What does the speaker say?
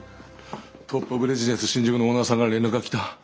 トップオブレジデンス新宿のオーナーさんから連絡が来た。